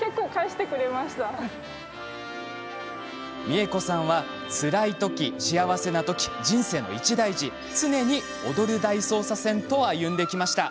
美恵子さんは、つらいとき幸せなとき、人生の一大事常に「踊る大捜査線」と歩んできました。